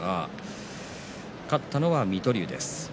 勝ったのは水戸龍です。